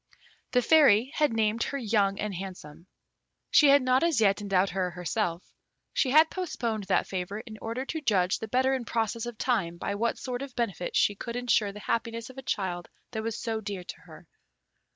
The Fairy had named her Young and Handsome. She had not as yet endowed her herself. She had postponed that favour in order to judge the better in process of time by what sort of benefit she could ensure the happiness of a child that was so dear to her.